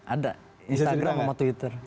ada instagram sama twitter